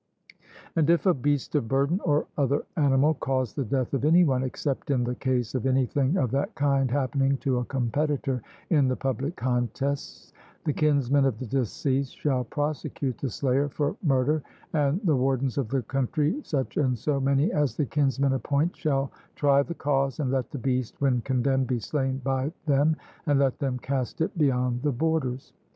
And if a beast of burden or other animal cause the death of any one, except in the case of anything of that kind happening to a competitor in the public contests, the kinsmen of the deceased shall prosecute the slayer for murder, and the wardens of the country, such, and so many as the kinsmen appoint, shall try the cause, and let the beast when condemned be slain by them, and let them cast it beyond the borders.